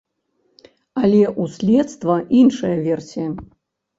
Але ў следства іншая версія.